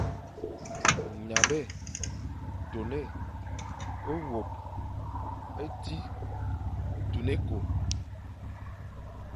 Nabé, tôné, wôp, tsṽi, tun ékô,